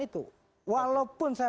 itu walaupun saya